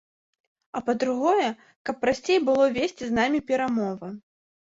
А па-другое, каб прасцей было весці з намі перамовы.